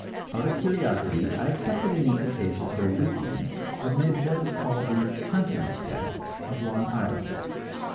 Out of curiosity I accepted an invitation for a weekend amid what is called the "hunting set" of Long Island.